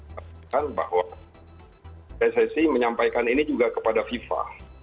mengatakan bahwa pssi menyampaikan ini juga kepada fifa